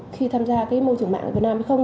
khi tham gia cái môi trường mạng ở việt nam hay không